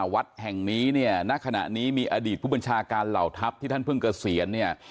วัดแห่งนี้เนี่ยณขณะนี้มีอดีตผู้บัญชาการเหล่าทัพที่ท่านเพิ่งเกษียณเนี่ย